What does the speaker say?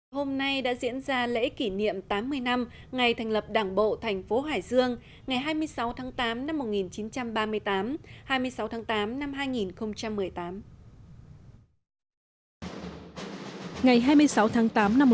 hôm nay đã diễn ra lễ kỷ niệm tám mươi năm ngày thành lập đảng bộ thành phố hải dương ngày hai mươi sáu tháng tám năm một nghìn chín trăm ba mươi tám hai mươi sáu tháng tám năm hai nghìn một mươi tám